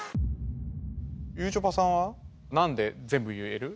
ゆちょぱさんはなんで全部言える？